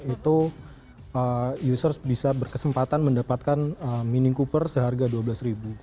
itu users bisa berkesempatan mendapatkan meaning cooper seharga dua belas ribu